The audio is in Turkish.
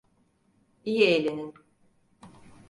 İyi eğlenin.